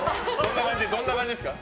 どんな感じですか？